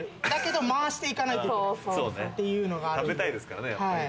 だけど回していかないといけない食べたいですよね。